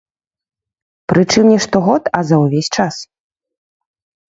Прычым не штогод, а за ўвесь час.